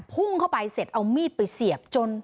พุ่งเข้าไปเสร็จเอามีดไปเสียบจน